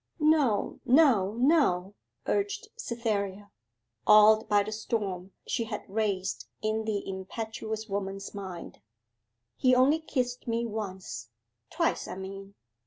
'No, no, no,' urged Cytherea, awed by the storm she had raised in the impetuous woman's mind. 'He only kissed me once twice I mean.